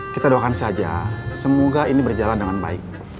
kita doakan saja semoga ini berjalan dengan baik